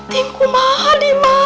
dating kumaha diman